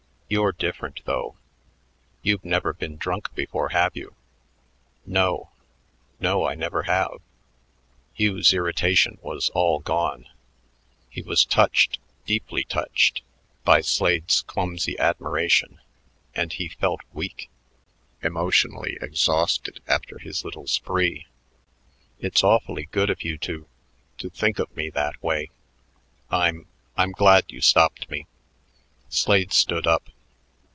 You're different, though.... You've never been drunk before, have you?" "No. No, I never have." Hugh's irritation was all gone. He was touched, deeply touched, by Slade's clumsy admiration, and he felt weak, emotionally exhausted after his little spree. "It's awfully good of you to to think of me that way. I'm I'm glad you stopped me." Slade stood up.